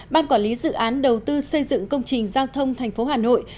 ban quản lý dự án đầu tư xây dựng công trình giao thông thành phố hà nội